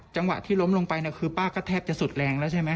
จังหวะที่ล้มลงไปคือป้าก็แทบจะสุดแรงแล้วใช่ไหม